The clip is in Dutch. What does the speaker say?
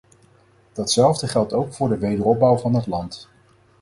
Datzelfde geldt ook voor de wederopbouw van het land.